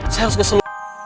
saya harus kesel